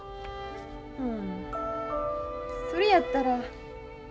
うんそれやったら。